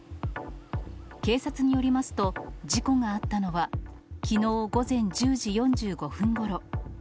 警察によりますと、事故があったのは、きのう午前１０時４５分ごろ。